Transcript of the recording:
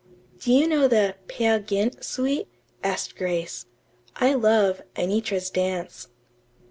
"Do you know the 'Peer Gynt' suite?" asked Grace. "I love 'Anitra's Dance.'"